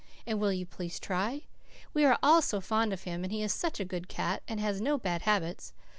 And will you please try? We are all so fond of him, and he is such a good cat, and has no bad habits.